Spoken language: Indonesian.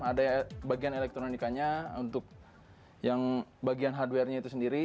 ada bagian elektronikanya untuk yang bagian hardware nya itu sendiri